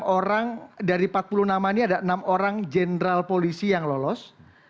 enam orang dari empat puluh nama ini ada enam orang general polisi yang lolos